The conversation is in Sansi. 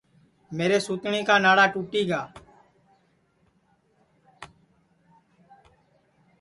میرے سُتٹؔی کا ناڑا ٹُوٹی گا